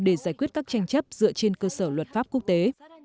để giải quyết các tranh chấp dựa trên cơ sở luật pháp quốc tế